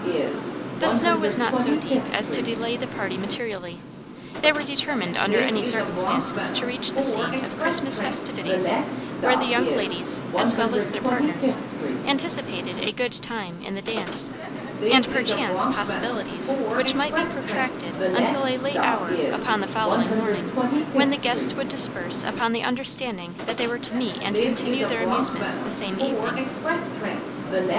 The snow was not so deep as to delay the party materially. They were determined under any circumstances to reach the scene of Christmas festivities, where the young ladies, as well as their partners, anticipated a "good time" in the dance, and perchance "possibilities" which might be protracted until a late hour upon the following morning, when the guests would disperse upon the understanding that they were to meet and continue their amusements the same evening.